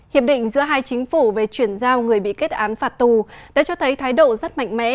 hiệp định giữa hai chính phủ về chuyển giao người bị kết án phạt tù đã cho thấy thái độ rất mạnh mẽ